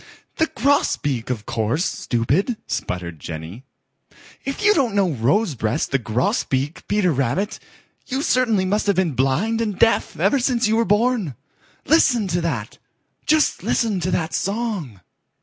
"The Grosbeak, of course, stupid," sputtered Jenny. "If you don't know Rosebreast the Grosbeak, Peter Rabbit, you certainly must have been blind and deaf ever since you were born. Listen to that! Just listen to that song!"